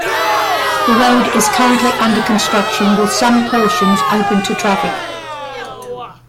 The road is currently under construction, with some portions open to traffic.